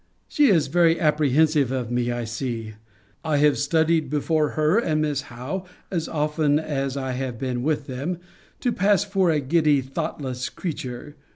She is very apprehensive of me I see. I have studied before her and Miss Howe, as often as I have been with them, to pass for a giddy thoughtless creature.